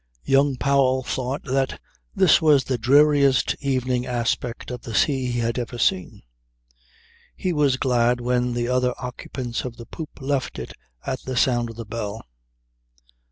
Young Powell thought that this was the dreariest evening aspect of the sea he had ever seen. He was glad when the other occupants of the poop left it at the sound of the bell.